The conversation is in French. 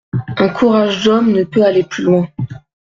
Un courage d'homme ne peut aller plus loin.